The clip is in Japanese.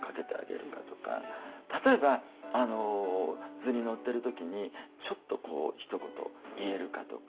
例えば図に乗ってる時にちょっとこうひと言言えるかとか。